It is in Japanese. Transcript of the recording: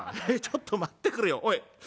えっちょっと待ってくれよおい！